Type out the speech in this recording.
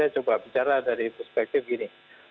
coba bicara dari perspektif gini